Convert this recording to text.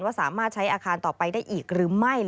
สามารถใช้อาคารต่อไปได้อีกหรือไม่